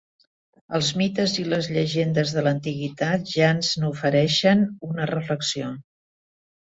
Els mites i les llegendes de l'antiguitat ja ens n'ofereixen una reflexió.